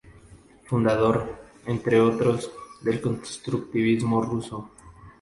Fundador, entre otros, del constructivismo ruso.